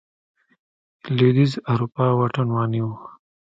لوېدیځې اروپا واټن ونیو.